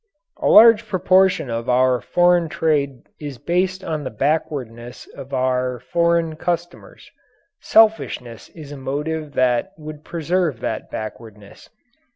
A large proportion of our foreign trade is based on the backwardness of our foreign customers. Selfishness is a motive that would preserve that backwardness.